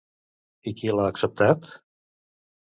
I qui l'ha acceptat?